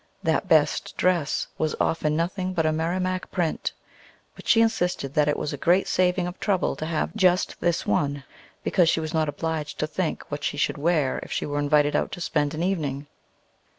That best dress was often nothing but a Merrimack print. But she insisted that it was a great saving of trouble to have just this one, because she was not obliged to think what she should wear if she were invited out to spend an evening.